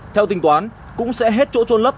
theo tình toán cũng sẽ hết chỗ trôn lấp